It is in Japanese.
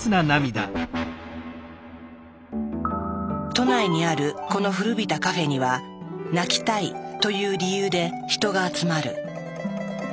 都内にあるこの古びたカフェには「泣きたい」という理由で人が集まる。